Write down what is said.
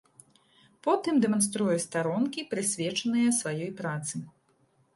Потым дэманструе старонкі, прысвечаныя сваёй працы.